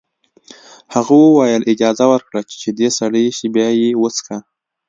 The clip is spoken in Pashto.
هغه وویل اجازه ورکړه چې شیدې سړې شي بیا یې وڅښه